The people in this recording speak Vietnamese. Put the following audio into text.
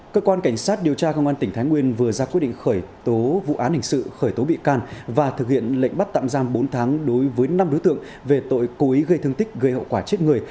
cơ quan cảnh sát điều tra công an tỉnh thái nguyên vừa ra quyết định khởi tố vụ án hình sự khởi tố bị can và thực hiện lệnh bắt tạm giam bốn tháng đối với năm đối tượng về tội cố ý gây thương tích gây hậu quả chết người